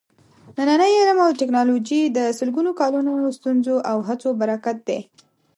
نننی علم او ټېکنالوجي د سلګونو کالونو ستونزو او هڅو برکت دی.